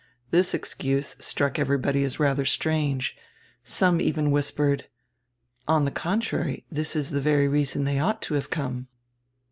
This excuse struck everybody as radier strange. Some even whispered: "On the contrary, diis is die very reason they ought to have come."